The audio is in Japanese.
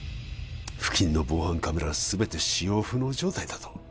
付近の防犯カメラは全て使用不能状態だと？